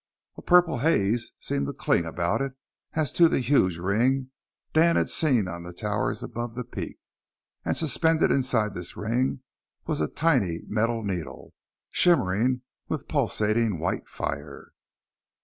A purple haze seemed to cling about it, as to the huge ring Dan had seen on the towers above the peak. And suspended inside this ring was a tiny metal needle, shimmering with pulsating white fire.